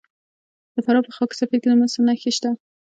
د فراه په خاک سفید کې د مسو نښې شته.